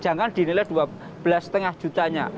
jangan dinilai dua belas lima juta nya